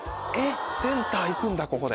センター行くんだここで。